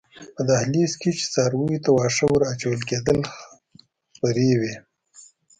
په دهلېز کې چې څارویو ته واښه ور اچول کېدل خپرې وې.